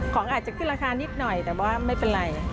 ของอาจจะขึ้นราคานิดหน่อยแต่ว่าไม่เป็นไร